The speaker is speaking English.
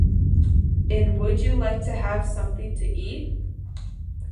In Would You Like to Have Something to Eat?